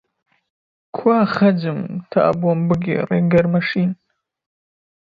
کوا «خەج»م تا بۆم بگێڕێ گەرمە شین؟!